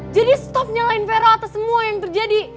jadi stop nyalahin vero atas semua yang terjadi